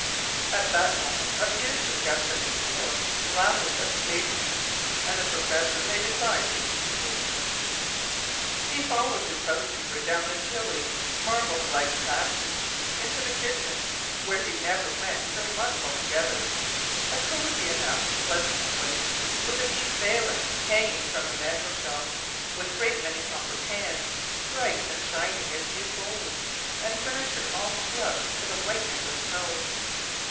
” At that moment a fiercer gust than before rattled at the casements, and the professor laid aside his scruples. He followed his housekeeper down the chilly, marble flagged passage into the kitchen, where he never went for months together a cosey enough, pleasant place, with a deep valance hanging from the mantel shelf, with many great copper pans, bright and shining as new gold, and furniture all scrubbed to the whiteness of snow.